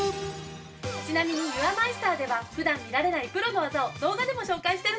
ちなみにユアマイスターでは普段見られないプロの技を動画でも紹介してるの。